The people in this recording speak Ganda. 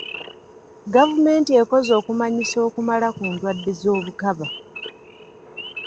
Gavumenti ekoze okumanyisa okumala ku ndwadde z'obukaba.